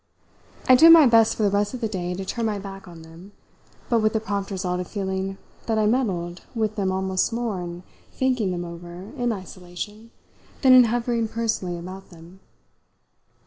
I did my best for the rest of the day to turn my back on them, but with the prompt result of feeling that I meddled with them almost more in thinking them over in isolation than in hovering personally about them.